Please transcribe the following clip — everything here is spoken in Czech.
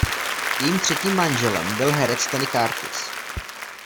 Jejím třetím manželem byl herec Tony Curtis.